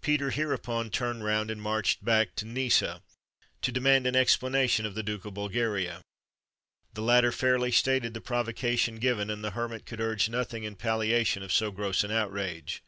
Peter hereupon turned round and marched back to Nissa, to demand explanation of the Duke of Bulgaria. The latter fairly stated the provocation given, and the Hermit could urge nothing in palliation of so gross an outrage.